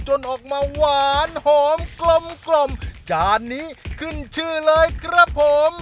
จนออกมาหวานหอมกรมจานี้ขึ้นชื่อเลยครับผม